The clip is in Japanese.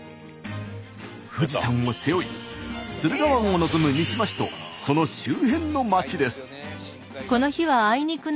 富士山を背負い駿河湾を望む三島市とその周辺のまちです。